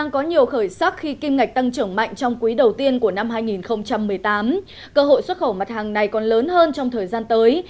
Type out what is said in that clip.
cơ hội xuất khẩu mặt hàng này còn lớn hơn trong thời gian tới